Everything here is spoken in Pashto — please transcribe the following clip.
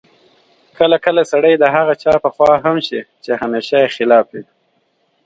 کله کله سړی د هغه چا په خوا هم شي چې همېشه یې خلاف